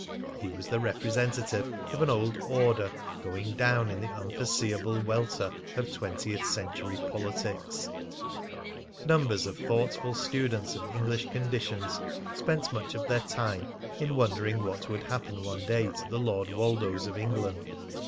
He was the representative of an old order going down in the unforeseeable welter of twentieth century politics. Numbers of thoughtful students of English conditions spent much of their time in wondering what would happen one day to the Lord Woldos of England.